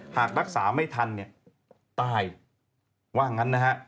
หากรักษาไม่ทันตาย